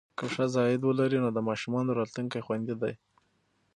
که ښځه عاید ولري، نو د ماشومانو راتلونکی خوندي دی.